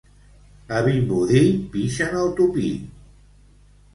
A Vimbodí pixen al tupí.